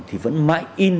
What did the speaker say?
thì vẫn mãi in